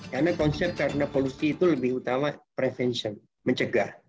karena konsep karena polusi itu lebih utama prevention mencegah